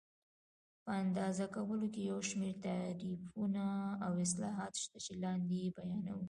په اندازه کولو کې یو شمېر تعریفونه او اصلاحات شته چې لاندې یې بیانوو.